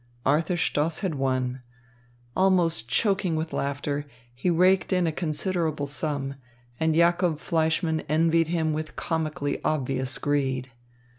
Arthur Stoss had won. Almost choking with laughter, he raked in a considerable sum, and Jacob Fleischmann envied him with comically obvious greed.